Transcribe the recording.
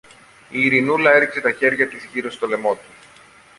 Η Ειρηνούλα έριξε τα χέρια της γύρω στο λαιμό του.